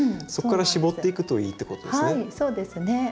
そこから絞っていくといいってことですね。